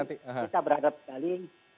jadi kita berharap sekali